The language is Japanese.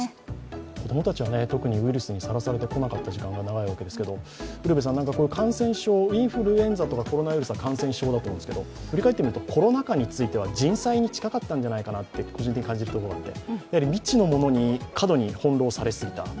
子供たちは特にウイルスにさらされてこなかった時間が長いわけですがインフルエンザとかコロナウイルスは感染症だと思うんですけど、振り返って見ると、コロナ禍については人災に近かったんじゃないかと個人的に感じるところがあってやはり未知のものに過度に翻弄されすぎた。